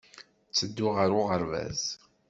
Ttedduɣ ɣer uɣerbaz.